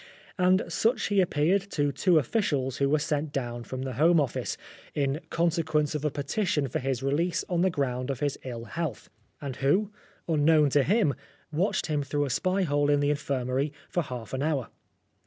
And such he appeared to two officials who were sent down from the Home Office, in consequence of a petition for his release on the ground of his ill health, and who, 226 Oscar Wilde unknown to him, watched him through a spy hole in the infirmary for half an hour.